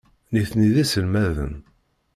Nitni d iselmaden.